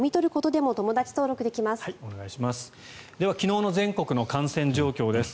では昨日の全国の感染状況です。